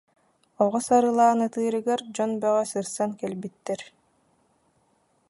Оҕо сарылаан ытыырыгар дьон бөҕө сырсан кэлбиттэр